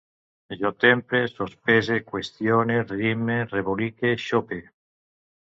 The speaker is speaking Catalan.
Jo tempre, sospese, qüestione, rime, rebolique, xope